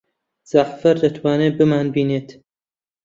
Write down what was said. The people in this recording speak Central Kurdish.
جەعفەر دەتوانێت بمانبینێت؟